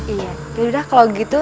iya yaudah kalau gitu